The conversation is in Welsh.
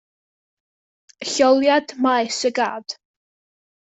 Lleoliad maes y gad.